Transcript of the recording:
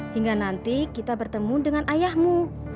hingga nanti kita bertemu dengan ayahmu